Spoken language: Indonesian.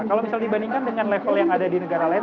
kalau misal dibandingkan dengan level yang ada di negara lain